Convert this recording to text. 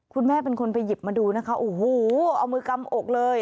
คุณแม่เป็นคนไปหยิบมาดูนะคะโอ้โหเอามือกำอกเลย